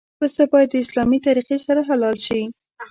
پسه باید د اسلامي طریقې سره حلال شي.